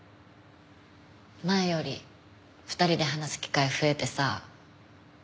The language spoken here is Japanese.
前より２人で話す機会増えてさ。